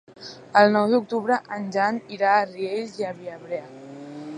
El nou d'octubre en Jan irà a Riells i Viabrea.